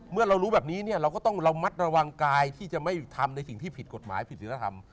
เมื่อเรารู้แบบนี้เนี่ยเราก็ต้องระมัดระวังกายที่จะไม่ทำในสิ่งที่ผิดกฎหมายผิดศิลธรรม